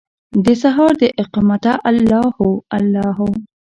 دسهار داقامته الله هو، الله هو